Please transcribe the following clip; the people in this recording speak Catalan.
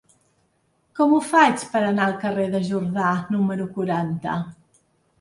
Com ho faig per anar al carrer de Jordà número quaranta?